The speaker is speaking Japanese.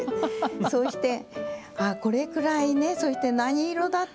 そうして、ああ、これくらいね、そして何色だった？